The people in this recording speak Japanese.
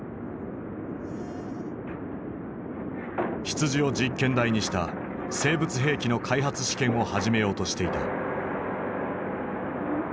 羊を実験台にした生物兵器の開発試験を始めようとしていた。